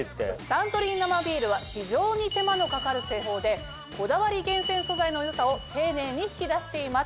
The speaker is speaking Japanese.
サントリー生ビールは非常に手間のかかる製法でこだわり厳選素材の良さを丁寧に引き出しています。